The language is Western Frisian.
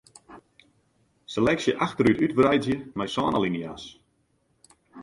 Seleksje achterút útwreidzje mei sân alinea's.